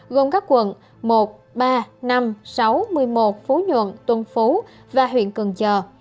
gồm các quận một ba năm sáu một mươi một phú nhuận tuần phú và huyện cường chờ